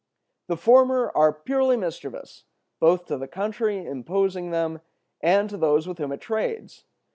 The former are purely mischievous, both to the country imposing them and to those with whom it trades.